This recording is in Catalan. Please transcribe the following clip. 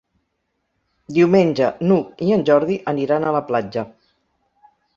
Diumenge n'Hug i en Jordi aniran a la platja.